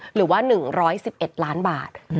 หรือว่า๑๑๑ล้านบาท